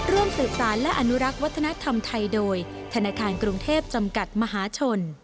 ร่วมสืบสารและอนุรักษ์วัฒนธรรมไทยโดยธนาคารกรุงเทพจำกัดมหาชน